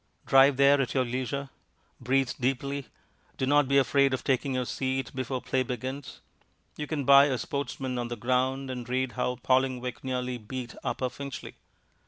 Drive there at your leisure; breathe deeply. Do not be afraid of taking your seat before play begins you can buy a Sportsman on the ground and read how Vallingwick nearly beat Upper Finchley.